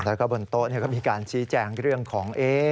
แล้วก็บนโต๊ะก็มีการชี้แจงเรื่องของ